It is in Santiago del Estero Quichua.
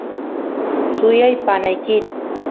suyay panaykit